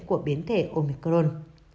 của biến thể omicron